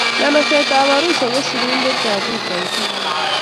Nganasetab Arusha ko surumbetab rutoito.